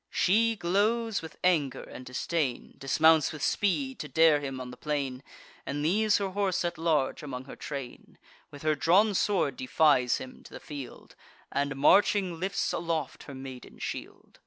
She glows with anger and disdain, Dismounts with speed to dare him on the plain, And leaves her horse at large among her train; With her drawn sword defies him to the field, And, marching, lifts aloft her maiden shield.